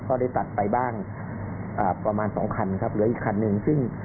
ก็ได้ตัดไปบ้างประมาณ๒คันครับหรืออีกคันนึง